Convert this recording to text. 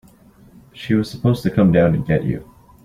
She was supposed to come down and get you.